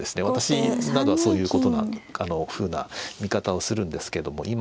私などはそういうふうな見方をするんですけども。